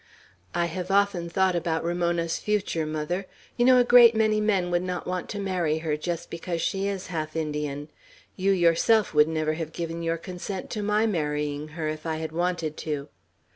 "I have often thought about Ramona's future, mother. You know a great many men would not want to marry her, just because she is half Indian. You, yourself, would never have given your consent to my marrying her, if I had wanted to."